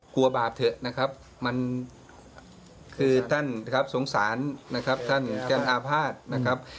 บาปเถอะนะครับมันคือท่านนะครับสงสารนะครับท่านแก้มอาภาษณ์นะครับ